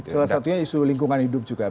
salah satunya isu lingkungan hidup juga